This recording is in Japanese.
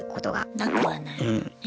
なくはないもんね。